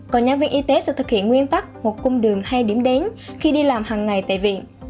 còn nhân viên y tế sẽ thực hiện nguyên tắc một cung đường hay điểm đến khi đi làm hàng ngày tại viện